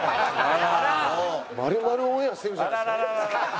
丸々オンエアしてるじゃないですか。